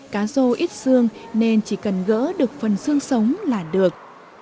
cá rô ít xương nên chỉ cần gỡ được phần xương sống là được